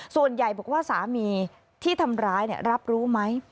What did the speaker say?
ส่วนใหญ่บอกว่าสามีที่ทำร้ายรับรู้ไหม